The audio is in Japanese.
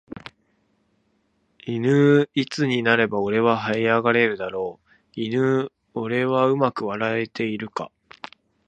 いぬーいつになれば俺は這い上がれるだろういぬー俺はうまく笑えているか